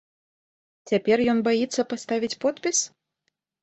Цяпер ён баіцца паставіць подпіс?